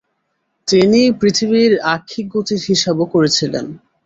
তিনি পৃথিবীর আক্ষিক গতির হিসাবও করেছিলেন।